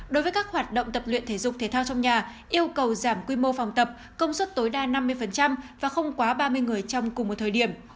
đối với các hoạt động tập luyện thể dục thể thao trong nhà yêu cầu giảm quy mô phòng tập công suất tối đa năm mươi và không quá ba mươi người trong cùng một thời điểm